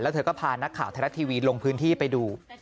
เธอก็พานักข่าวไทยรัฐทีวีลงพื้นที่ไปดู